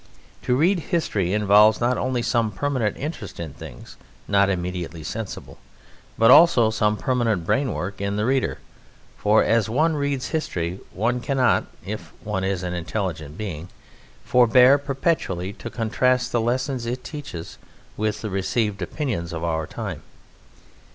To read History involves not only some permanent interest in things not immediately sensible, but also some permanent brain work in the reader; for as one reads history one cannot, if one is an intelligent being, forbear perpetually to contrast the lessons it teaches with the received opinions of our time.